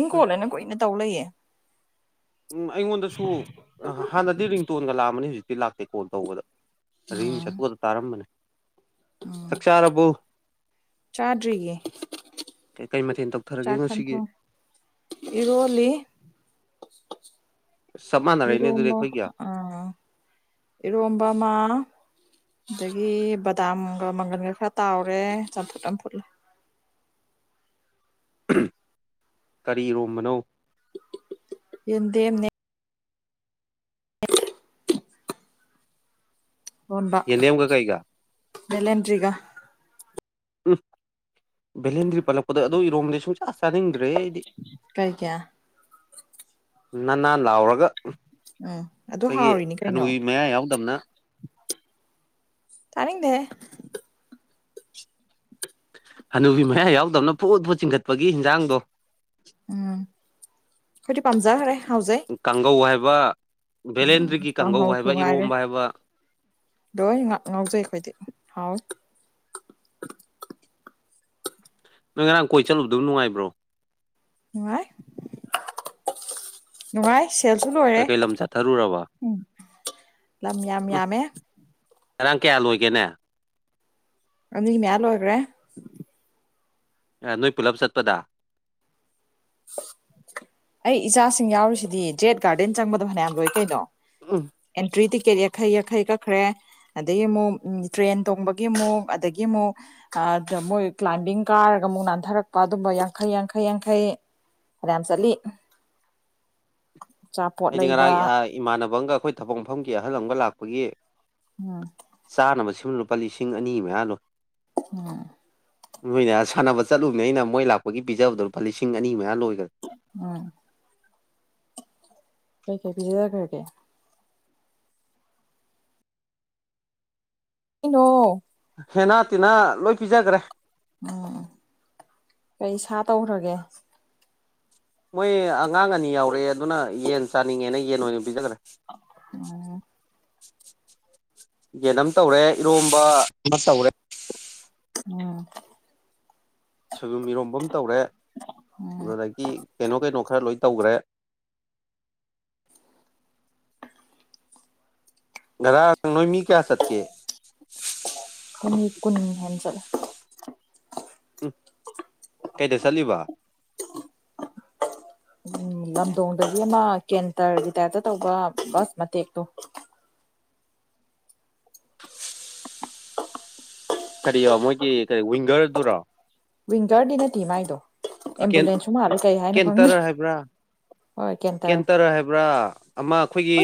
ꯍꯤꯡꯈꯣꯜꯂꯅ ꯀꯨꯏꯅ ꯇꯧ ꯂꯩꯌꯦ ꯎꯝ ꯑꯩꯉꯣꯟꯗꯁꯨ ꯍꯥꯟꯅꯗꯤ ꯔꯤꯡꯇꯣꯟꯒ ꯂꯥꯛꯑꯝꯕꯅꯤ ꯍꯧꯖꯤꯛꯇꯤ ꯂꯥꯛꯇꯦ ꯀꯣꯜ ꯇꯧꯕꯗ [unintelligible] ꯇꯥꯔꯝꯕꯅꯦ ꯆꯥꯛ ꯆꯥꯔꯕꯣ ꯆꯥꯗ꯭ꯔꯤꯌꯦ ꯀꯩ ꯀꯩ ꯃꯊꯦꯜ ꯇꯧ ꯆꯥꯈꯟꯊꯣ ꯏꯔꯣꯜꯂꯤ ꯆꯞ ꯃꯥꯟꯅꯔꯛꯏꯅꯦ ꯑꯗꯨꯗꯤ ꯏꯔꯣꯝꯕ ꯑꯩꯈꯣꯏꯒꯤ ꯑ ꯢꯔꯣꯝꯕ ꯑꯃ ꯑꯗꯒꯤ ꯕꯗꯥꯝꯒ ꯃꯪꯒꯟꯒ ꯈꯔ ꯇꯥꯎꯔꯦ ꯆꯝꯐꯨꯠ ꯑꯃ ꯐꯨꯠꯂꯦ ꯀꯔꯤ ꯏꯔꯣꯝꯕꯅꯣ ꯌꯦꯟꯗꯦꯝꯅꯦ ꯂꯣꯟꯕ ꯌꯦꯟꯗꯦꯝꯒ ꯀꯩꯒ ꯕꯦꯂꯦꯟꯗ꯭ꯔꯤꯒ ꯎꯝ ꯚꯦꯂꯦꯟꯗ꯭ꯔꯤ ꯄꯜꯂꯛꯄꯗ ꯑꯗꯨ ꯏꯔꯣꯝꯕꯗꯤ ꯁꯨꯝ ꯑꯁ ꯆꯥꯅꯤꯡꯗ꯭ꯔꯦ ꯑꯩꯗꯤ ꯀꯩ ꯀꯌꯥ ꯅꯅꯥꯜ ꯂꯥꯎꯔꯒ ꯎꯝ ꯑꯗꯨ ꯑꯩꯈꯣꯏꯒꯤ ꯍꯅꯨꯕꯤ ꯃꯌꯥ ꯌꯥꯎꯗꯕꯅ ꯇꯥꯅꯤꯡꯗꯦ ꯍꯅꯨꯕꯤ ꯃꯌꯥ ꯌꯥꯎꯗꯕꯅ ꯐꯨꯠ ꯐꯨꯠ ꯆꯤꯡꯈꯠꯄꯒꯤ ꯍꯤꯟꯖꯥꯡꯗꯣ ꯎꯝ ꯑꯈꯣꯏꯗꯤ ꯄꯥꯝꯖꯈꯔꯦ ꯍꯥꯎꯖꯩ ꯀꯥꯡꯒꯧ ꯍꯥꯏꯕ ꯚꯦꯂꯦꯟꯗ꯭ꯔꯤꯒꯤ ꯀꯥꯡꯒꯧ ꯀꯥꯡꯍꯧꯁꯨ ꯍꯥꯏꯕ ꯉꯥꯏꯔꯦ ꯏꯔꯣꯝꯕ ꯍꯥꯏꯕ ꯂꯣꯏ ꯉ ꯉꯥꯎꯖꯩ ꯑꯩꯈꯣꯏꯗꯤ ꯍꯥꯎ ꯅꯣꯏ ꯉꯔꯥꯡ ꯀꯣꯏ ꯆꯠꯂꯨꯕꯗꯨ ꯅꯨꯡꯉꯥꯏꯕ꯭ꯔꯣ ꯅꯨꯡꯉꯥꯏ ꯅꯨꯡꯉꯥꯏ ꯁꯦꯜꯁꯨ ꯂꯣꯏꯔꯦ ꯀꯩꯀꯩ ꯂꯝ ꯆꯠꯊꯔꯨꯔꯕ [unintelligible] ꯂꯝ ꯌꯥꯝ ꯎꯝ ꯌꯥꯝꯃꯦ ꯉꯔꯥꯡ ꯀꯌꯥ ꯂꯣꯏꯒꯦꯅꯦ ꯑꯅꯤ ꯃꯌꯥ ꯂꯣꯏꯒ꯭ꯔꯦ ꯅꯣꯏ ꯄꯨꯂꯞ ꯆꯠꯄꯗ ꯑꯩ ꯏꯆꯥꯁꯤꯡ ꯌꯥꯎꯔꯤꯁꯤꯗꯤ ꯖꯦꯠ ꯒꯥꯔꯗꯦꯟ ꯆꯪꯕꯗꯣ ꯐꯅꯌꯥꯝ ꯂꯣꯏ ꯀꯩꯅꯣ ꯎꯝ ꯑꯦꯟꯇ꯭ꯔꯤ ꯇꯤꯀꯦꯠ ꯌꯥꯡꯈꯩ ꯌꯥꯡꯈꯩ ꯀꯛꯈ꯭ꯔꯦ ꯑꯗꯒꯤ ꯑꯃꯨꯛ ꯎꯝ ꯇ꯭ꯔꯦꯟ ꯇꯣꯡꯕꯒꯤ ꯑꯃꯨꯛ ꯑꯗꯒꯤ ꯑꯃꯨꯛ ꯑꯗ ꯃꯣꯏ ꯀ꯭ꯂꯥꯏꯝꯕꯤꯡ ꯀꯥꯔꯒ ꯑꯃꯨꯛ ꯅꯥꯟꯊꯔꯛꯄ ꯑꯗꯨꯝꯕ ꯌꯥꯡꯈꯩ ꯌꯥꯡꯈꯩ ꯌꯥꯡꯈꯩ ꯐꯅꯌꯥꯝ ꯆꯠꯂꯤ [inaudible] ꯑꯩꯗꯤ ꯉꯔꯥꯡ ꯑ ꯏꯃꯥꯟꯅꯕ ꯑꯃꯒ ꯑꯩꯈꯣꯏ ꯊꯕꯛ ꯃꯐꯝꯒꯤ ꯑꯍꯜ ꯑꯃꯒ ꯂꯥꯛꯄꯒꯤ ꯎꯝ ꯆꯥꯅꯕ [unintelligible] ꯂꯨꯄꯥ ꯂꯤꯁꯤꯡ ꯑꯅꯤ ꯃꯌꯥ ꯂꯣꯏ ꯎꯝ ꯅꯣꯏꯅ ꯁꯥꯟꯅꯕ ꯆꯠꯂꯨꯕꯅꯤ ꯑꯩꯅ ꯃꯣꯏ ꯂꯥꯛꯄꯒꯤ ꯄꯤꯖꯕꯗꯣ ꯂꯨꯄꯥ ꯂꯤꯁꯤꯡ ꯑꯅꯤ ꯃꯌꯥ ꯂꯣꯏꯒ꯭ꯔꯦ ꯎꯝ ꯀꯩ ꯀꯩ ꯄꯤꯖꯈ꯭ꯔꯒꯦ ꯀꯩꯅꯣ ꯍꯦꯅꯥ ꯇꯤꯅꯥ ꯂꯣꯏ ꯄꯤꯖꯒ꯭ꯔꯦ ꯎꯝ ꯎꯝ ꯀꯩ ꯁꯥ ꯇꯧꯈ꯭ꯔꯒꯦ ꯃꯣꯏ ꯑꯉꯥꯡ ꯑꯅꯤ ꯌꯥꯎꯔꯛꯑꯦ ꯑꯗꯨꯅ ꯌꯦꯟ ꯆꯥꯅꯤꯡꯉꯦꯅ ꯌꯦꯟ ꯑꯣꯏꯅ ꯄꯤꯖꯈ꯭ꯔꯦ ꯎꯝ ꯌꯦꯟ ꯑꯃ ꯇꯧꯔꯦ ꯏꯔꯣꯝꯕ ꯑꯃ ꯇꯧꯔꯦ ꯎꯝ ꯁꯣꯏꯕꯨꯝ ꯏꯔꯣꯝꯕ ꯑꯝ ꯇꯧꯔꯦ ꯑꯗꯨꯗꯒꯤ ꯀꯩꯅꯣ ꯀꯩꯅꯣ ꯈꯔ ꯂꯣꯏ ꯇꯧꯒ꯭ꯔꯦ ꯉꯔꯥꯡ ꯅꯣꯏ ꯃꯤ ꯀꯌꯥ ꯆꯠꯀꯦ ꯑꯩꯈꯣꯏ ꯃꯤ ꯀꯨꯟ ꯍꯦꯟ ꯆꯠꯂꯦ ꯎꯝ ꯀꯩꯗ ꯆꯠꯂꯤꯕ ꯎꯝ ꯂꯝꯗꯣꯡꯗꯒꯤ ꯑꯃ ꯀꯦꯟꯇꯔꯒꯤ ꯇꯥꯏꯞꯇ ꯇꯧꯕ ꯕꯁ ꯃꯇꯦꯛꯇꯣ [unintelligible] ꯃꯣꯏꯒꯤ ꯀꯩ ꯋꯤꯡꯒꯔꯗꯨꯔꯣ ꯋꯤꯡꯒꯔꯗꯤ ꯅꯠꯇꯦ ꯃꯥꯏꯗꯣ ꯀꯦꯟ ꯑꯦꯝꯕꯨꯂꯦꯟꯁꯁꯨ ꯃꯥꯜꯂꯦ ꯀꯩ ꯍꯥꯏꯅꯣ ꯈꯪꯗꯦ ꯀꯦꯟꯇꯔ ꯍꯥꯏꯕ꯭ꯔꯥ ꯀꯦꯟꯇꯔ ꯍꯥꯏꯕ꯭ꯔꯥ ꯑꯃ ꯑꯩꯈꯣꯏꯒꯤ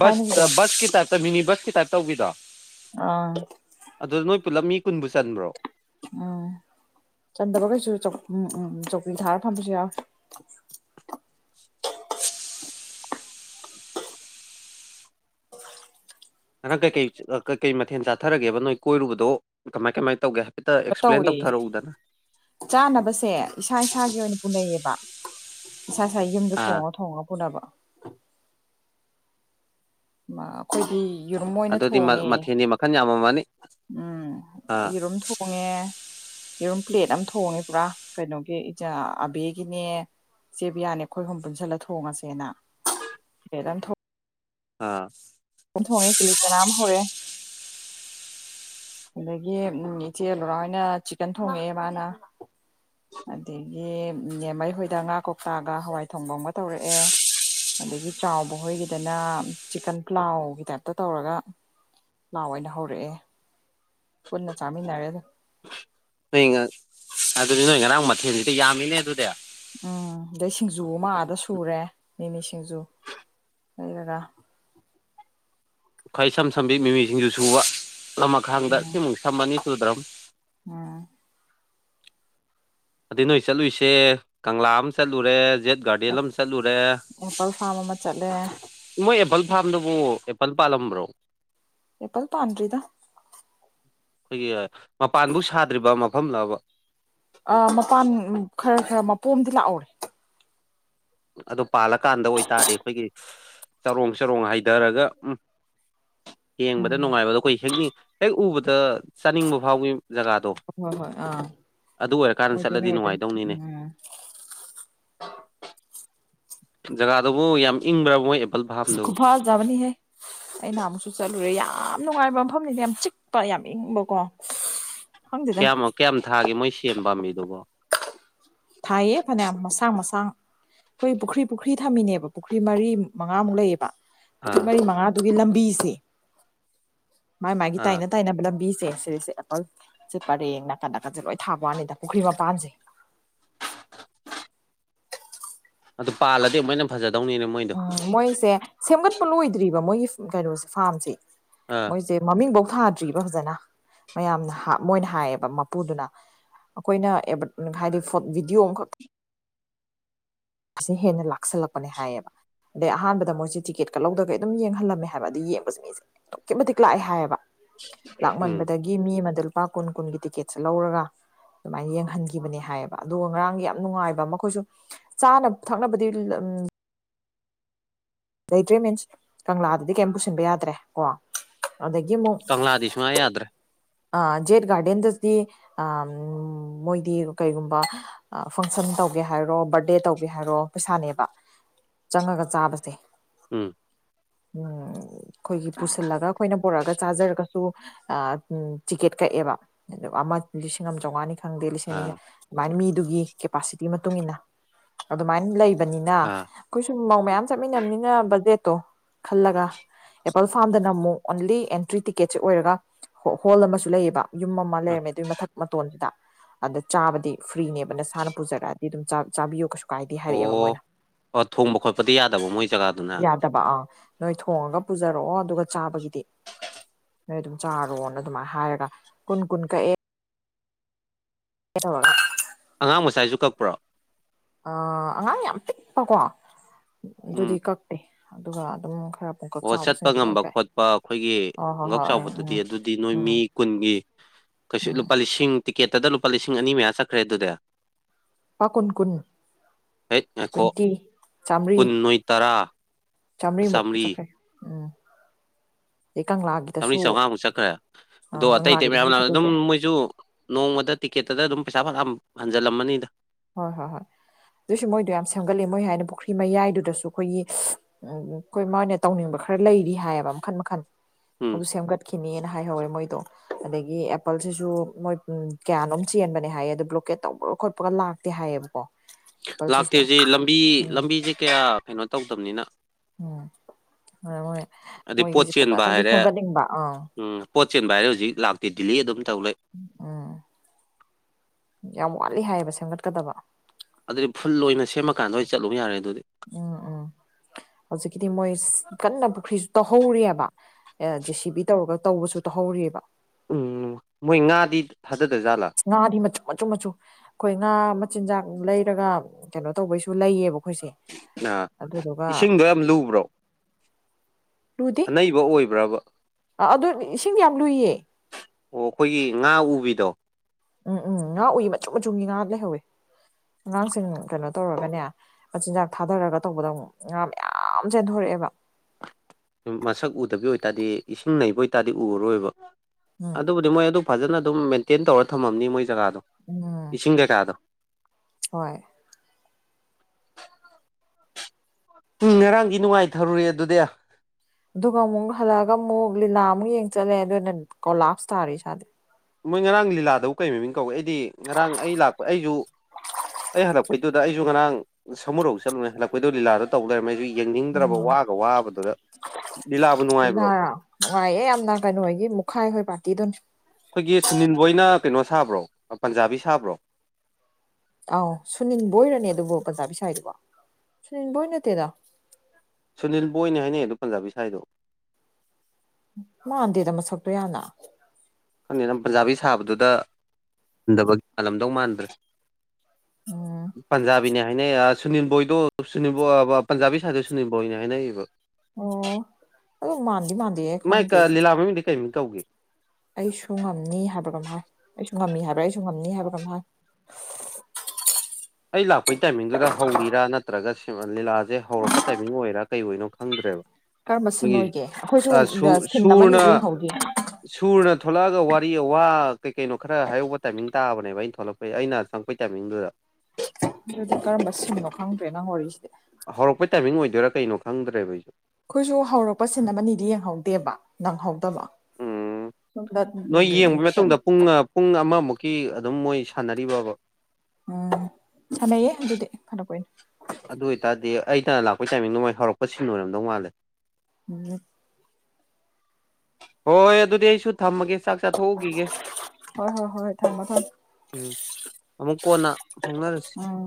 ꯕꯁꯇ ꯊꯥꯏꯅꯒꯤꯗꯣ ꯕꯁꯀꯤ ꯇꯥꯏꯞꯇ ꯃꯤꯅꯤ ꯕꯁꯀꯤ ꯇꯥꯏꯞꯇ ꯇꯧꯕꯤꯗꯣ ꯑꯥ ꯑꯗ ꯅꯣꯏ ꯄꯨꯂꯞ ꯃꯤ ꯀꯨꯟꯕꯨ ꯆꯟꯕ꯭ꯔꯣ ꯎꯝ ꯆꯟꯗꯕ ꯀꯩꯁꯨ ꯆꯧ ꯎꯝ ꯎꯝ ꯆꯧꯀ꯭ꯔꯤ ꯊꯥꯔꯒ ꯐꯝꯕꯁꯨ ꯌꯥꯎꯋꯦ ꯉꯔꯥꯡ ꯀꯩꯀꯩ ꯑꯥ ꯀꯩꯀꯩ ꯃꯊꯦꯜ ꯆꯥꯊꯔꯒꯦꯕ ꯅꯣꯏ ꯀꯣꯏꯔꯨꯕꯗꯣ ꯀꯃꯥꯏ ꯀꯃꯥꯏ ꯇꯧꯒꯦ ꯍꯥꯏꯐꯦꯠꯇ [unintelligible] ꯑꯦꯛꯁꯄ꯭ꯂꯦꯟ ꯇꯧꯔꯦꯌꯦ ꯇꯧꯊꯔꯛꯎꯗꯅ ꯆꯥꯅꯕꯁꯦ ꯏꯁꯥ ꯏꯁꯥꯒꯤ ꯑꯣꯏꯅ ꯄꯨꯅꯩꯌꯦꯕ ꯏꯁꯥ ꯏꯁꯥ ꯌꯨꯝꯗ ꯑꯥ ꯊꯣꯡꯉ ꯊꯣꯡꯉ ꯄꯨꯅꯕ ꯃ ꯑꯈꯣꯏꯒꯤ ꯌꯦꯔꯨꯝ ꯑꯣꯏꯅ ꯑꯗꯨꯗꯤ ꯊꯣꯡꯉꯦ ꯃꯊꯦꯜꯗꯤ ꯃꯈꯟ ꯌꯥꯝꯃꯝꯃꯅꯤ ꯎꯝ ꯑꯥ ꯌꯦꯔꯨꯝ ꯊꯣꯡ ꯊꯣꯡꯉꯦ ꯌꯦꯔꯨꯝ ꯄ꯭ꯂꯦꯠ ꯑꯃ ꯊꯣꯡꯉꯦ ꯄꯨꯔꯥ ꯀꯩꯅꯣꯒꯤ ꯏꯆꯥ ꯑꯕꯦꯒꯤꯅꯦ ꯆꯦꯕꯤꯌꯥꯅꯦ ꯑꯈꯣꯏ ꯑꯍꯨꯝ ꯄꯨꯟꯁꯤꯜꯂ ꯊꯣꯡꯉꯁꯦꯅ ꯄ꯭ꯂꯦꯠ ꯑꯃ ꯊꯣꯡ ꯑꯥ [unintelligible] ꯊꯣꯡꯉꯦ ꯀꯦꯂꯤ ꯆꯅꯥ ꯑꯃ ꯍꯧꯔꯦ ꯑꯗꯒꯤ ꯎꯝ ꯏꯆꯦ ꯂꯨꯔꯥ ꯍꯣꯏꯅ ꯆꯤꯛꯀꯟ ꯊꯣꯡꯉꯛꯑꯦ ꯃꯥꯅ ꯑꯗꯒꯤ ꯅꯦꯃꯩ ꯍꯣꯏꯗ ꯉꯥ ꯀꯣꯛꯇꯥꯒ ꯍꯋꯥꯏ ꯊꯣꯡꯕꯃꯒ ꯇꯧꯔꯛꯑꯦ ꯑꯗꯒꯤ ꯆꯥꯎꯕ ꯍꯣꯏꯒꯤꯗꯅ ꯆꯤꯛꯀꯟ ꯄ꯭ꯂꯥꯎꯒꯤ ꯇꯥꯏꯞꯇ ꯇꯧꯔꯒ ꯄ꯭ꯂꯥꯎ ꯑꯣꯏꯅ ꯍꯧꯔꯛꯑꯦ ꯄꯨꯟꯅ ꯆꯥꯃꯤꯟꯅꯥꯔꯦꯗ ꯅꯣꯏ ꯉꯛ ꯑꯗꯨꯗꯤ ꯅꯣꯏ ꯉꯔꯥꯡ ꯃꯊꯦꯜꯖꯤꯗꯤ ꯌꯥꯝꯃꯤꯅꯦ ꯑꯗꯨꯗꯤ ꯎꯝ ꯑꯗꯩ ꯁꯤꯡꯖꯨ ꯑꯃ ꯑꯗ ꯁꯨꯔꯦ ꯃꯤꯃꯤ ꯁꯤꯡꯖꯨ ꯂꯩꯔꯒ ꯈ꯭ꯋꯥꯏ ꯁꯝ ꯁꯝꯕꯤ ꯃꯤꯃꯤꯁꯤꯡꯖꯨ ꯁꯨꯕ ꯂꯝꯃꯈꯥꯡꯗ ꯁꯤꯃꯨꯛ ꯁꯝꯕ ꯑꯅꯤ ꯁꯨꯗ꯭ꯔꯝ [unintelligible] ꯑꯗꯩ ꯅꯣꯏ ꯆꯠꯂꯨꯏꯁꯦ ꯀꯪꯂꯥ ꯑꯃ ꯆꯠꯂꯨꯔꯦ ꯖꯦꯠ ꯒꯥꯔꯗꯦꯟ ꯑꯃ ꯆꯠꯂꯨꯔꯦ ꯑꯦꯄꯜ ꯐꯥꯔꯝ ꯑꯃ ꯆꯠꯂꯦ ꯃꯣꯏ ꯑꯦꯄꯜ ꯐꯥꯝꯗꯨꯕꯨ ꯑꯦꯄꯜ ꯄꯥꯜꯂꯝꯕ꯭ꯔꯣ ꯑꯦꯄꯜ ꯄꯥꯟꯗ꯭ꯔꯤꯗ ꯈꯣꯏꯒꯤ ꯃꯄꯥꯟꯕꯧ ꯁꯥꯗ꯭ꯔꯤꯕ ꯃꯐꯝꯂꯕ ꯑꯥ ꯃꯄꯥꯟ ꯈꯔ ꯈꯔ ꯃꯄꯣꯝꯗꯤ ꯂꯥꯛꯑꯧꯔꯦ ꯑꯗꯣ ꯄꯥꯜꯂꯀꯥꯟꯗ ꯑꯣꯏꯇꯥꯔꯗꯤ ꯑꯈꯣꯏꯒꯤ ꯆꯔꯣꯡ ꯆꯔꯣꯡ ꯍꯩꯗꯔꯒ ꯎꯝ ꯌꯦꯡꯕꯗ ꯎꯝ ꯅꯨꯡꯉꯥꯏꯕꯗꯣ ꯑꯩꯈꯣꯏ ꯍꯦꯛꯅꯤꯡ ꯍꯦꯛ ꯎꯕꯗ ꯆꯥꯅꯤꯡꯕ ꯐꯥꯎꯕꯤ ꯖꯒꯥꯗꯣ ꯍꯣꯏ ꯍꯣꯏ ꯑꯥ ꯑꯗꯨ ꯑꯣꯏꯔꯀꯥꯟꯗ ꯑꯣꯏꯗꯣꯏꯅꯦ ꯆꯠꯂꯗꯤ ꯑꯣꯏꯗꯣꯏꯅꯦ ꯅꯨꯡꯉꯥꯏꯗꯧꯅꯤꯅꯦ ꯎꯝ ꯖꯒꯥꯗꯨꯕꯨ ꯌꯥꯝ ꯏꯪꯕ꯭ꯔꯥ ꯃꯣꯏ ꯑꯦꯞ ꯈꯨꯐꯖ ꯑꯃꯅꯤꯍꯦ ꯑꯩ ꯅꯍꯥꯟꯃꯨꯛꯁꯨ ꯆꯠꯂꯨꯔꯦ ꯌꯥꯝ ꯅꯨꯡꯉꯥꯏꯕ ꯃꯐꯝꯅꯤꯗ ꯌꯥꯝ ꯆꯤꯛꯄ ꯌꯥꯝ ꯏꯪꯕꯀꯣ [unintelligible] ꯀꯌꯥꯝꯃꯨꯛ ꯀꯌꯥꯝ ꯊꯥꯒꯦ ꯃꯣꯏ ꯁꯦꯝ ꯄꯥꯝꯕꯤꯗꯨꯕꯣ ꯊꯥꯏꯌꯦ ꯐꯅꯌꯥꯝ ꯃꯁꯥꯡ ꯃꯁꯥꯡ ꯑꯈꯣꯏ ꯄꯨꯈ꯭ꯔꯤ ꯄꯨꯈ꯭ꯔꯤ ꯊꯝꯃꯤꯅꯦꯕ ꯄꯨꯈ꯭ꯔꯤ ꯃꯔꯤ ꯃꯉꯥꯃꯨꯛ ꯂꯩꯌꯦꯕ ꯄꯨꯈꯤ ꯑꯥ ꯃꯔꯤ ꯃꯉꯥꯗꯨꯒꯤ ꯂꯝꯕꯤꯖꯦ ꯃꯥꯏ ꯃꯥꯒꯤ ꯑꯥ ꯇꯥꯏꯅ ꯇꯥꯏꯅꯕ ꯂꯝꯕꯤꯆꯦ ꯁꯤꯗꯩꯁꯤꯗ ꯑꯦꯄꯜ ꯁꯦ ꯄꯔꯦꯡ ꯅꯥꯀꯟ ꯅꯥꯀꯟꯁꯦ ꯂꯣꯏ ꯊꯥꯕ ꯋꯥꯅꯤꯗ ꯄꯨꯈ꯭ꯔꯤ ꯃꯄꯥꯟꯁꯦ [inaudible] ꯑꯗꯨ ꯄꯥꯜꯂꯗꯤ ꯑꯃꯨꯛ ꯍꯦꯟꯅ ꯐꯖꯗꯧꯅꯤꯅꯦ ꯃꯣꯏꯗꯣ ꯎꯝ ꯃꯣꯏꯁꯦ ꯁꯦꯝꯒꯠꯄ ꯂꯣꯏꯗ꯭ꯔꯤꯕ ꯃꯣꯏꯒꯤ ꯀꯩꯅꯣꯁꯦ ꯐꯥꯝꯁꯦ ꯑꯥ ꯃꯣꯏꯖꯦ ꯃꯃꯤꯡꯕꯧ ꯊꯥꯗ꯭ꯔꯤꯕ ꯐꯖꯅ ꯃꯌꯥꯝꯅ ꯍꯥ ꯃꯣꯏꯅ ꯍꯥꯏꯌꯦꯕ ꯃꯄꯨꯗꯨꯅ ꯑꯈꯣꯏꯅ ꯑꯦꯠꯕꯠ ꯍꯥꯏꯗꯤ ꯐꯣꯠ ꯕꯤꯗꯤꯑꯣ ꯑꯝꯈꯛ ꯑꯁꯤ ꯍꯦꯟꯅ ꯂꯥꯛꯁꯜꯂꯛꯄꯅꯦ ꯍꯥꯏꯌꯦꯕ ꯑꯗꯩ ꯑꯍꯥꯟꯕꯗ ꯃꯣꯏꯁꯦ ꯇꯤꯀꯦꯠꯀ ꯂꯧꯗꯒꯩ ꯑꯗꯨꯝ ꯌꯦꯡꯍꯜꯂꯝꯃꯦ ꯍꯥꯏꯕ ꯑꯗꯨ ꯌꯦꯡꯕꯁꯦ ꯃꯤꯁꯦ ꯑꯗꯨꯛꯀꯤ ꯃꯇꯤꯛ ꯂꯥꯛꯑꯦ ꯍꯥꯏꯌꯦꯕ ꯎꯝ ꯂꯥꯛꯃꯟꯕꯗꯒꯤ ꯒꯤ ꯃꯤ ꯑꯃꯗ ꯂꯨꯄꯥ ꯀꯨꯟ ꯀꯨꯟꯒꯤ ꯇꯤꯛꯀꯦꯠꯁꯦ ꯂꯧꯔꯒ ꯑꯗꯨꯃꯥꯏꯅ ꯌꯦꯡꯍꯟꯈꯤꯕꯅꯦ ꯍꯥꯏꯌꯦꯕ ꯑꯗꯨꯒ ꯉꯔꯥꯡꯒꯤ ꯌꯥꯝ ꯅꯨꯡꯉꯥꯏꯕ ꯑꯃ ꯑꯈꯣꯏꯁꯨ ꯆꯥꯅꯕ ꯊꯛꯅꯕꯗꯤ ꯂꯝ ꯂꯩꯇ꯭ꯔꯦ ꯃꯤꯟꯁ ꯀꯪꯂꯥꯗꯗꯤ ꯀꯩꯝ ꯄꯨꯁꯤꯟꯕ ꯌꯥꯗ꯭ꯔꯦ ꯀꯣ ꯑꯗꯒꯤ ꯑꯃꯨꯛ ꯀꯪꯂꯥꯥꯗꯤ ꯁꯨꯡꯌꯥ ꯌꯥꯗ꯭ꯔꯦ ꯑ ꯖꯦꯠ ꯒꯥꯔꯗꯦꯟꯗꯗꯤ ꯑ ꯃꯣꯏꯗꯤ ꯀꯩꯒꯨꯝꯕ ꯐꯪꯁꯟ ꯇꯧꯒꯦ ꯍꯥꯏꯔꯣ ꯕ꯭ꯔꯗꯦ ꯇꯧꯒꯦ ꯍꯥꯏꯔꯣ ꯄꯩꯁꯥꯅꯦꯕ ꯆꯪꯉꯒ ꯆꯥꯕꯁꯦ ꯎꯝ ꯎꯝ ꯑꯩꯈꯣꯏꯒꯤ ꯄꯨꯁꯤꯜꯂꯒ ꯑꯩꯈꯣꯏꯅ ꯄꯨꯔꯛꯑꯒ ꯆꯥꯖꯔꯒ ꯁꯨ ꯑ ꯎꯝ ꯇꯤꯀꯦꯠ ꯀꯛꯑꯦꯕ ꯑꯃ ꯂꯤꯁꯤꯡ ꯑꯃ ꯆꯥꯎꯉꯥꯅꯤ ꯈꯪꯗꯦ ꯂꯤꯁꯤꯡ ꯑꯅꯤꯒ ꯑꯥ ꯑꯃꯥꯏꯅ ꯃꯤꯗꯨꯒꯤ ꯀꯦꯄꯥꯁꯤꯇꯤ ꯃꯇꯨꯡꯏꯟꯅ ꯑꯗꯨꯃꯥꯏꯅ ꯂꯩ ꯂꯩꯕꯅꯤꯅ ꯑꯥ ꯑꯩꯈꯣꯏꯁꯨꯝ ꯃꯧ ꯃꯌꯥꯝ ꯆꯠꯃꯤꯟꯅꯕꯅꯤꯅ ꯕꯖꯦꯠꯇꯣ ꯈꯜꯂꯒ ꯑꯦꯄꯜ ꯐꯥꯝꯗꯅ ꯑꯃꯨꯛ ꯑꯣꯟꯂꯤ ꯑꯦꯟꯇ꯭ꯔꯤ ꯇꯤꯀꯦꯠꯁꯦ ꯑꯣꯏꯔꯒ ꯍꯣꯜ ꯑꯃꯁꯨ ꯂꯩꯌꯦꯕ ꯌꯨꯝ ꯑꯃ ꯂꯩꯔꯝꯃꯦ ꯑꯗꯨꯏ ꯃꯊꯛ ꯃꯇꯣꯟꯗꯨꯗꯥ ꯑꯗ ꯆꯥꯕꯗꯤ ꯐ꯭ꯔꯤꯅꯦꯕ ꯅꯁꯥꯅ ꯄꯨꯖꯔꯛꯑꯗꯤ ꯑꯗꯨꯝ ꯆꯥ ꯆꯥꯕꯤꯌꯣ ꯀꯩꯁꯨ ꯀꯥꯏꯗꯦ ꯍꯥꯏꯔꯛꯑꯦꯕ ꯑꯣ ꯃꯣꯏꯅ ꯑꯣ ꯊꯣꯡꯕ ꯈꯣꯠꯄꯗꯤ ꯌꯥꯗꯕ ꯃꯣꯏ ꯖꯒꯥꯗꯨꯅ ꯗꯕ ꯑꯥ ꯅꯣꯏ ꯊꯣꯡꯉꯒ ꯄꯨꯖꯔꯛꯑꯣ ꯑꯗꯨꯒ ꯆꯥꯕꯒꯤꯗꯤ ꯅꯣꯏ ꯑꯗꯨꯝ ꯆꯥꯔꯣꯅ ꯑꯗꯨꯃꯥꯏ ꯍꯥꯏꯔꯒ ꯀꯨꯟ ꯀꯨꯟ ꯀꯛꯑꯦ ꯀꯦ ꯇꯧꯔꯒ ꯑꯉꯥꯡ ꯃꯆꯥꯏꯖꯨ ꯀꯛꯄ꯭ꯔꯣ ꯑ ꯑꯉꯥꯡ ꯌꯥꯝ ꯄꯤꯛꯄꯀꯣ ꯎꯝ ꯑꯗꯨꯗꯤ ꯀꯛꯇꯦ ꯑꯗꯨꯒ ꯑꯗꯨꯝ ꯈꯔ ꯄꯨꯡꯀꯛ ꯑꯣ ꯆꯠꯄ ꯆꯥꯎꯕꯁꯤꯡꯗꯤ ꯂꯣꯏ ꯉꯝꯕ ꯀꯛꯑꯦ ꯈꯣꯠꯄ ꯑꯈꯣꯏꯒꯤ ꯍꯣꯏ ꯍꯣꯏ ꯄꯨꯡꯉꯛ ꯍꯣꯏ ꯆꯥꯎꯕꯗꯨꯗꯤ ꯎꯝ ꯑꯗꯨꯗꯤ ꯅꯣꯏ ꯃꯤ ꯎꯝ ꯀꯨꯟꯒꯤ ꯀꯩꯁꯨ ꯎꯝ ꯂꯨꯄꯥ ꯂꯤꯁꯤꯡ ꯇꯤꯛꯀꯦꯠꯇꯗ ꯂꯨꯄꯥ ꯂꯤꯁꯤꯡ ꯑꯅꯤ ꯃꯌꯥ ꯆꯠꯈ꯭ꯔꯦ ꯑꯗꯨꯗꯤ ꯂꯨꯄꯥ ꯀꯨꯟ ꯀꯨꯟ ꯍꯦꯠ ꯉꯥꯏꯈꯣ ꯇ꯭ꯋꯦꯟꯇꯤ ꯆꯥꯝꯃ꯭ꯔꯤ ꯀꯨꯟ ꯅꯣꯏ ꯇꯔꯥ ꯆꯥꯝꯃ꯭ꯔꯤꯃꯨꯛ ꯆꯥꯝꯃꯔꯤ ꯆꯠꯈ꯭ꯔꯦ ꯎꯝ ꯗꯩ ꯀꯪꯂꯥꯒꯤ ꯆꯥꯃ꯭ꯔꯤ ꯆꯥꯎꯉꯥꯃꯨꯛ ꯆꯠꯈ꯭ꯔꯦ ꯑꯗꯣ ꯑꯇꯩ ꯑꯇꯩ ꯃꯌꯥꯝ ꯀꯪꯂꯥꯒꯤꯗꯁꯨ ꯇꯤꯀꯦꯠ ꯑꯗꯨꯝ ꯀꯛꯑꯦ ꯃꯣꯏꯖꯨ ꯅꯣꯡꯃꯗ ꯇꯤꯛꯀꯦꯠꯇꯗ ꯑꯗꯨꯝ ꯄꯩꯁꯥ ꯐꯅꯥꯝ ꯍꯟꯖꯜꯂꯝꯃꯅꯤꯗ ꯍꯣꯏ ꯍꯣꯏ ꯍꯣꯏ ꯑꯗꯨꯑꯣꯏꯁꯨ ꯃꯣꯏꯗꯣ ꯌꯥꯝ ꯁꯦꯝꯒꯠꯂꯤ ꯃꯣꯏ ꯍꯥꯏꯅꯦ ꯄꯨꯈ꯭ꯔꯤ ꯃꯌꯥꯏꯗꯨꯗꯁꯨ ꯑꯈꯣꯏꯒꯤ ꯎꯝ ꯑꯩꯈꯣꯏ ꯃꯣꯏꯅ ꯇꯧꯅꯤꯡꯕ ꯈꯔ ꯂꯩꯔꯤ ꯍꯥꯏꯌꯦꯕ ꯃꯈꯟ ꯃꯈꯟ ꯎꯝ ꯑꯗꯨ ꯁꯦꯝꯒꯠ ꯈꯤꯅꯦꯅ ꯍꯥꯏꯍꯧꯔꯦ ꯃꯣꯏꯗꯣ ꯑꯗꯒꯤ ꯑꯦꯄꯜꯁꯤꯁꯨ ꯃꯣꯏ ꯀꯌꯥꯅꯣꯝ ꯆꯦꯟꯕꯅꯦ ꯍꯥꯏꯌꯦ ꯑꯗꯣ ꯕ꯭ꯂꯣꯀꯦꯠ ꯇꯧꯕꯒ ꯈꯣꯠꯄꯒ ꯂꯥꯛ ꯇꯦ ꯍꯥꯏꯌꯦꯕꯀꯣ ꯂꯥꯛꯇꯦ ꯍꯧꯖꯤꯛ ꯂꯝꯕꯤ ꯎꯝ ꯂꯝꯕꯤꯁꯦ ꯀꯌꯥ ꯀꯩꯅꯣ ꯇꯧꯗꯕꯅꯤꯅ ꯎꯝ ꯍꯣꯏ ꯃꯣꯏ ꯑꯗꯩ ꯄꯣꯠ ꯃꯣꯏꯒꯤꯁꯤ ꯆꯦꯟꯕ ꯐꯖꯅꯗꯤ ꯍꯥꯏꯔꯦ ꯁꯦꯝꯒꯠꯅꯤꯡꯕ ꯑꯥ ꯎꯝ ꯄꯣꯠ ꯆꯦꯟꯕ ꯍꯥꯏꯔꯦ ꯍꯧꯖꯤꯛ ꯂꯥꯛꯇꯦ ꯗꯤꯂꯤ ꯑꯗꯨꯝ ꯇꯧ ꯂꯩ ꯎꯝ ꯌꯥꯝ ꯋꯥꯠꯂꯤ ꯍꯥꯏꯌꯦꯕ ꯁꯦꯝꯒꯠꯀꯗꯕ ꯑꯗꯨꯗꯤ ꯐꯨꯜ ꯑꯣꯏꯅ ꯁꯦꯝꯃꯀꯥꯟꯗ ꯑꯣꯏ ꯆꯠꯂꯨꯕ ꯌꯥꯔꯦ ꯑꯗꯨꯗꯤ ꯎꯝ ꯎꯝ ꯍꯧꯖꯤꯛꯀꯤꯗꯤ ꯃꯣꯏꯁꯦ ꯀꯟꯅ ꯄꯨꯈ꯭ꯔꯤꯁꯨ ꯇꯧꯍꯧꯔꯤꯑꯕ ꯑꯦ ꯖꯦ ꯁꯤ ꯕꯤ ꯇꯧꯔꯒ ꯇꯧꯕꯁꯨ ꯇꯧꯍꯧꯔꯤꯑꯕ ꯎꯝ ꯃꯣꯏ ꯉꯥꯗꯤ ꯊꯥꯗꯗꯖꯥꯠꯂꯥ ꯉꯥꯗꯤ ꯃꯆꯨ ꯃꯆꯨ ꯃꯆꯨ ꯑꯩꯈꯣꯏ ꯉꯥ ꯃꯆꯤꯟꯖꯥꯛ ꯂꯩꯔꯒ ꯀꯩꯅꯣ ꯇꯧꯕꯩꯁꯨ ꯂꯩꯌꯦꯕ ꯑꯩꯈꯣꯏꯁꯦ ꯅ ꯑꯗꯨꯗꯨꯒ ꯏꯁꯤꯡꯗꯣ ꯌꯥꯝ ꯂꯨꯕ꯭ꯔꯣ ꯑꯅꯩꯕ ꯑꯣꯏꯕ꯭ꯔꯕ ꯑ ꯑꯗꯨ ꯏꯁꯤꯡꯗꯤ ꯌꯥꯝ ꯂꯨꯏꯌꯦ ꯑꯣ ꯈꯣꯏꯒꯤ ꯉꯥ ꯎꯕꯤꯗꯣ ꯎꯝ ꯎꯝ ꯉꯥ ꯎꯏ ꯃꯆꯨ ꯃꯆꯨꯒꯤ ꯉꯥ ꯂꯩꯍꯧꯋꯦ ꯑꯉꯥꯡꯁꯤꯡ ꯀꯩꯅꯣ ꯇꯧꯔꯒꯅꯦ ꯃꯆꯤꯟꯖꯥꯛ ꯊꯥꯗꯔꯒ ꯇꯧꯕꯗ ꯉꯥ ꯃꯌꯥꯝ ꯆꯦꯟꯊꯣꯔꯛꯑꯦꯕ ꯎꯝ ꯃꯁꯛ ꯎꯗꯕꯤ ꯑꯣꯏꯇꯥꯔꯗꯤ ꯏꯁꯤꯡ ꯅꯩꯕ ꯑꯣꯏꯇꯥꯔꯗꯤ ꯎꯔꯔꯣꯏꯕ ꯎꯝ ꯑꯗꯨꯕꯨꯗꯤ ꯃꯣꯏ ꯑꯗꯨꯝ ꯐꯖꯟꯅ ꯑꯗꯨꯝ ꯃꯦꯟꯇꯦꯟ ꯇꯧꯔ ꯊꯝꯃꯝꯅꯤ ꯃꯣꯏ ꯖꯒꯥꯗꯣ ꯏꯅꯥ ꯏꯁꯤꯡ ꯀꯩ ꯀꯥꯗꯣ ꯍꯣꯏ ꯎꯝ ꯉꯔꯥꯡꯒꯤ ꯅꯨꯡꯉꯥꯏꯊꯔꯨꯔꯦ ꯑꯗꯨꯗꯤ ꯑꯗꯨꯒ ꯑꯃꯨꯛ ꯍꯜꯂꯛꯑꯒ ꯑꯃꯨꯛ ꯂꯤꯂꯥ ꯑꯃꯨꯛ ꯌꯦꯡ ꯆꯠꯂꯦ ꯑꯗꯨꯅ ꯀꯣꯂꯥꯞꯁ ꯇꯥꯔꯦ ꯏꯁꯥꯗꯤ ꯃꯣꯏ ꯉꯔꯥꯡ ꯂꯤꯂꯥꯗꯕꯨ ꯀꯩ ꯃꯃꯤꯡ ꯀꯧꯒꯦ ꯑꯩꯗꯤ ꯉꯔꯥꯡ ꯑꯩ ꯂꯥꯛꯄ ꯑꯩꯖꯨ ꯑꯩ ꯍꯜꯂꯛꯄꯩꯗꯨꯗ ꯑꯩꯖꯨ ꯉꯔꯥꯡ ꯁꯃꯨꯔꯧ ꯆꯠꯂꯨꯨꯔꯦ ꯍꯜꯂꯛꯄꯩꯗꯨ ꯂꯤꯂꯥꯗꯣ ꯇꯧ ꯂꯩꯔꯝꯃꯦ ꯑꯩꯖꯨ ꯌꯦ ꯌꯦꯡꯅꯤꯡꯗ꯭ꯔꯕ ꯎꯝ ꯋꯥꯒ ꯋꯥꯕꯗꯨꯗ ꯂꯤꯂꯥꯕꯨ ꯅꯨꯡꯉꯥꯏꯕ꯭ꯔꯣ ꯂꯤꯂꯥꯔꯣ ꯅꯨꯡꯉꯥꯏꯌꯦ ꯌꯥꯝꯅ ꯀꯩꯅꯣ ꯍꯣꯏꯒꯤ ꯃꯨꯈꯥꯏ ꯍꯣꯏ ꯄꯥꯔꯇꯤꯗꯨꯅꯦ ꯑꯈꯣꯏꯒꯤ ꯁꯨꯅꯤꯟꯕꯣꯏꯅ ꯀꯩꯅꯣ ꯁꯥꯕ꯭ꯔꯣ ꯑ ꯄꯟꯖꯥꯕꯤ ꯁꯥꯕ꯭ꯔꯣ ꯑꯥꯎ ꯁꯨꯅꯤꯟꯕꯣꯏꯔꯅꯦ ꯑꯗꯨꯕꯨ ꯄꯟꯖꯥꯕꯤ ꯁꯥꯏꯗꯨꯕꯣ ꯁꯨꯅꯤꯟꯕꯣꯏ ꯅꯠꯇꯦꯗ ꯁꯨꯅꯤꯜ ꯕꯣꯏꯅꯦ ꯍꯥꯏꯅꯩꯌꯦ ꯑꯗꯨ ꯄꯟꯖꯥꯕꯤ ꯁꯥꯏꯗꯣ ꯃꯥꯟꯗꯦꯗ ꯃꯁꯛꯇꯣ ꯌꯥꯝꯅ ꯈꯪꯗꯦꯗ ꯄꯟꯖꯥꯕꯤ ꯁꯥꯕꯗꯨꯗ ꯍꯟꯗꯕ ꯄꯜꯂꯝꯗꯧ ꯃꯥꯟꯗ꯭ꯔꯦ ꯎꯝ ꯄꯟꯖꯥꯕꯤꯅꯦ ꯍꯥꯏꯅꯩꯌꯦ ꯑꯥꯁ ꯁꯨꯅꯤꯟ ꯕꯣꯏꯗꯣ ꯁꯨꯅꯤꯕꯣꯑꯥꯕ ꯄꯟꯖꯥꯕꯤ ꯁꯥꯏꯗꯣ ꯁꯨꯅꯤꯟ ꯕꯣꯏꯅꯦ ꯍꯥꯏꯅꯩꯌꯦꯕ ꯑꯣ ꯑꯗꯨ ꯃꯥꯥꯟꯗꯤ ꯃꯥꯥꯟ ꯃꯥꯏ ꯀ ꯂꯤꯂꯥ ꯃꯃꯤꯡꯗꯤ ꯀꯩ ꯃꯃꯤꯡ ꯀꯧꯒꯦ ꯑꯩꯁꯨ ꯉꯝꯅꯤ ꯍꯥꯏꯕ꯭ꯔ ꯀꯩꯝ ꯍꯥꯏ ꯑꯩꯁꯨ ꯉꯝꯃꯤ ꯍꯥꯏꯕ꯭ꯔꯥ ꯑꯩꯁꯨ ꯉꯝꯅꯤ ꯍꯥꯏꯕ꯭ꯔ ꯀꯩꯅꯣꯝ ꯍꯥꯏ ꯑꯩ ꯂꯥꯛꯄꯩ ꯇꯥꯏꯃꯤꯡꯗꯨꯗ ꯍꯧꯔꯤꯔꯥ ꯅꯠꯇ꯭ꯔꯒ ꯁꯤꯝ ꯂꯤꯂꯥꯖꯦ ꯍꯧꯔꯛꯄ ꯇꯥꯏꯃꯤꯡ ꯑꯣꯏꯔꯥ ꯀꯩ ꯑꯣꯏꯅꯣ ꯈꯪꯗ꯭ꯔꯦꯕ ꯀꯔꯝꯕ ꯁꯤꯟ ꯑꯩꯈꯣꯏꯒꯤ ꯑꯣꯏꯒꯦ ꯑꯈꯣꯏꯁꯨ ꯎꯟꯑ ꯁꯤꯟ ꯑꯃꯅꯤ ꯗꯤ ꯌꯦꯡꯍꯧꯗꯦ ꯁꯨꯔꯗ ꯊꯣꯛꯂꯛꯑꯒ ꯋꯥꯔꯤ ꯋꯥ ꯀꯩ ꯀꯩꯅꯣ ꯈꯔ ꯍꯥꯏꯍꯧꯕ ꯇꯥꯏꯃꯤꯡ ꯇꯥꯕꯅꯦꯕ ꯑꯩꯅ ꯊꯣꯛꯂꯛ ꯄꯩ ꯑꯩꯅ ꯆꯪꯉꯛꯄꯩ ꯇꯥꯏꯃꯤꯡꯗꯨꯗ [unintelligible] ꯀꯔꯝꯕ ꯁꯤꯟꯅꯣ ꯈꯪꯗ꯭ꯔꯦ ꯅꯪ ꯋꯥꯔꯤꯁꯤꯗꯤ ꯍꯧꯔꯛꯄꯩ ꯇꯥꯏꯃꯤꯡ ꯑꯣꯏꯗꯣꯏꯔꯥ ꯀꯩꯅꯣ ꯈꯪꯗ꯭ꯔꯦꯕ ꯑꯩꯖꯨ ꯈꯣꯏꯁꯨ ꯍꯧꯔꯛꯄ ꯁꯤꯟ ꯑꯃꯅꯤꯗꯤ ꯌꯦꯡꯍꯧꯗꯦꯕ ꯅꯪꯍꯧꯗꯕ ꯎꯝ ꯅꯣꯏ ꯌꯦꯡꯕꯩ ꯃꯇꯨꯡꯗ ꯄꯨꯡ [unintelligible] ꯑ ꯄꯨꯡ ꯑꯃꯃꯨꯛꯀꯤ ꯑꯗꯨꯝ ꯃꯣꯏ ꯁꯥꯟꯅꯔꯤꯕꯕ ꯎꯝ ꯁꯥꯟꯅꯩꯌꯦ ꯑꯗꯨꯗꯤ ꯐꯅ ꯀꯨꯏꯅ ꯑꯗꯨ ꯑꯣꯏꯇꯥꯔꯗꯤ ꯑꯩ ꯇꯅ ꯂꯥꯛꯄꯩ ꯇꯥꯏꯃꯤꯡꯗꯨ ꯃꯣꯏ ꯍꯧꯔꯛꯄ ꯁꯤꯟ ꯑꯣꯏꯔꯝꯗꯧ ꯃꯥꯜꯂꯦ ꯎꯝꯍꯝ ꯍꯣꯏ ꯍꯣꯏ ꯑꯗꯨꯗꯤ ꯑꯩꯁꯨ ꯊꯝꯃꯒꯦ ꯆꯥꯛ ꯆꯥꯊꯣꯛꯎꯈꯤꯒꯦ ꯍꯣꯏ ꯍꯣꯏ ꯍꯣꯏ ꯊꯝꯃꯣ ꯊꯝꯃꯣ ꯎꯝ ꯑꯃꯨꯛ ꯀꯣꯟꯅ ꯐꯥꯎꯅꯔꯁꯤ ꯎꯝ